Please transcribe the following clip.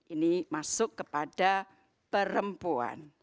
ini masuk kepada perempuan